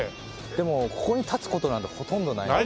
でもここに立つ事なんてほとんどないですね。